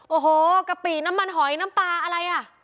โอ้โหกะปิน้ำมันหอยน้ำปลาอะไรอ่ะ